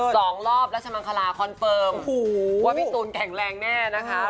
สองรอบรัชมังคลาคอนเฟิร์มโอ้โหว่าพี่ตูนแข็งแรงแน่นะคะ